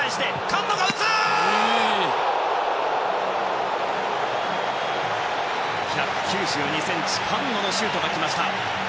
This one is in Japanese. １９２ｃｍ、カンノのシュートが来ました。